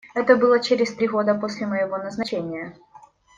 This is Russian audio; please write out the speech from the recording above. Это было через три года после моего назначения.